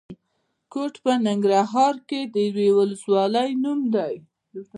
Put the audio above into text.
کوټ په ننګرهار کې د یوې ولسوالۍ نوم دی.